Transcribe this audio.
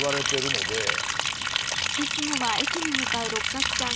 いつもは駅に向かう六角さん。